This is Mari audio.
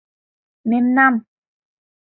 Мемнам!..